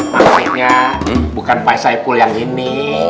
maksudnya bukan pesepul yang ini